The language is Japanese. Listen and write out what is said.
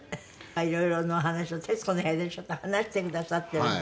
色々なお話を『徹子の部屋』でちょっと話してくださっているので